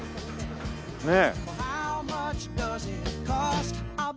ねえ。